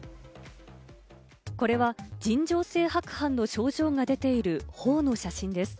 これは尋常性白斑の症状が出ている頬の写真です。